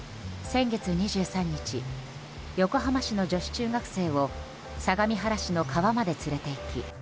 先月２３日横浜市の女子中学生を相模原市の川まで連れていき